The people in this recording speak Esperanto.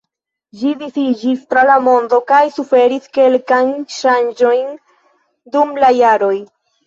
Ĝi disiĝis tra la mondo kaj suferis kelkajn ŝanĝojn dum la jaroj.